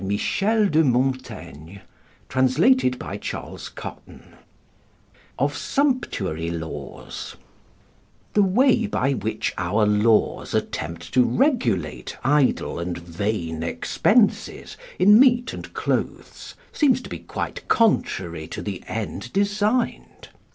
Cornelius Nepos, Life of Atticus] CHAPTER XLIII OF SUMPTUARY LAWS The way by which our laws attempt to regulate idle and vain expenses in meat and clothes, seems to be quite contrary to the end designed.